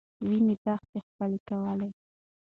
وینې دښته ښکلې کولې.